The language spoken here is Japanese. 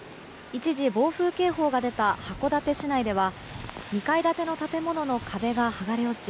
一時、暴風警報が出た函館市内では２階建ての建物の壁が剥がれ落ち